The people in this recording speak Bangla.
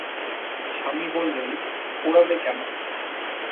স্বামী বললেন, পোড়াবে কেন?